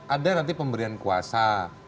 ada nanti pemberian kuasa